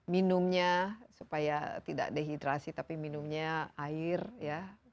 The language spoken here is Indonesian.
minumnya supaya tidak dehidrasi tapi minumnya air ya